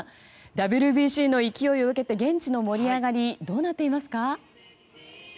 ＷＢＣの勢いを受けて現地の盛り上がりどうなっていますか？